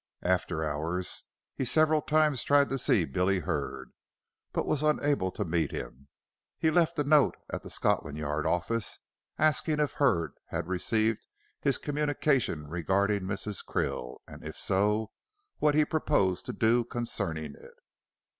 After hours, he several times tried to see Billy Hurd, but was unable to meet him. He left a note at the Scotland Yard office, asking if Hurd had received his communication regarding Mrs. Krill, and if so, what he proposed to do concerning it.